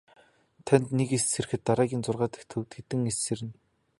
Тэнд нэг эс сэрэхэд дараагийн зургаа дахь төвд хэдэн эс сэрнэ.